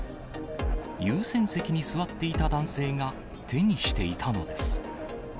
優先席に座っていた男性が手にしていたのです。